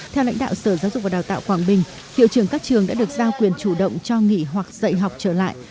theo lãnh đạo sở giáo dục và đào tạo quảng bình hiệu trưởng các trường đã được giao quyền chủ động cho nghỉ hoặc dạy học trở lại